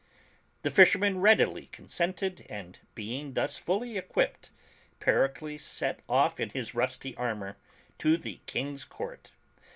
The fishermen readily consented and being thus fully equipped, Pericles set off in his rusty armor to the King's Court.